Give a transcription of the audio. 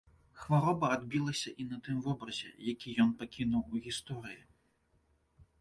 Хвароба адбілася і на тым вобразе, які ён пакінуў у гісторыі.